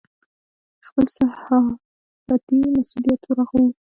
خپل صحافتي مسوولیت ورغوو.